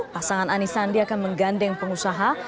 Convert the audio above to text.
pasangan ani sandi akan menggandeng pengusaha